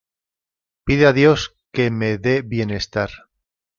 Pide a Dios que me de bienestar.